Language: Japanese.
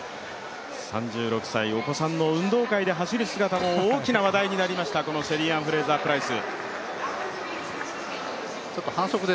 ３６歳、お子さんの運動会で走る姿も大きな話題となりました、このシェリーアン・フレイザープライス。